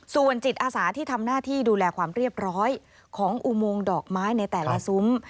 ส่วนจิตอาสาที่ทำหน้าที่ดูแลความเรียบร้อยของอุโมงดอกไม้ในแต่ละซุ้ม